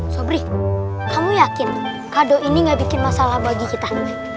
sobri kamu yakin kado ini gak bikin masalah bagi kita